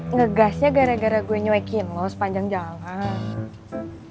ngegasnya gara gara gue nyuekin lo sepanjang jalan